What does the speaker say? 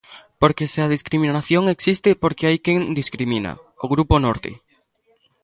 Porque se a discriminación existe é porque hai quen discrimina: o Grupo Norte.